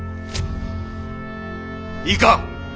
いいか？